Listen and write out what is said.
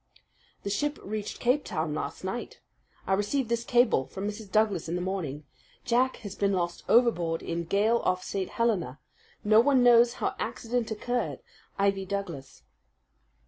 "The ship reached Cape Town last night. I received this cable from Mrs. Douglas this morning: "'Jack has been lost overboard in gale off St. Helena. No one knows how accident occurred.' "'IVY DOUGLAS.'"